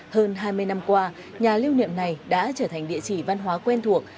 hơn hai mươi năm qua nhà lưu niệm này đã trở thành địa chỉ văn hóa quen thuộc